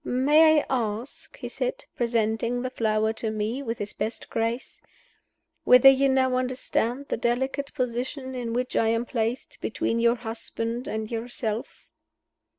"May I ask," he said, presenting the flower to me with his best grace, "whether you now understand the delicate position in which I am placed between your husband and yourself?"